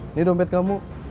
ini dompet kamu